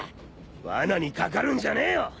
わなにかかるんじゃねえよ！